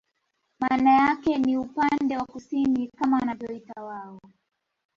Maana yake ni upande wa kusini kama wanavyoita wao